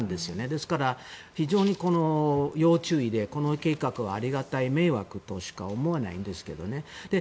ですから非常に要注意でこの計画は、ありがた迷惑としか思わないんですけどね。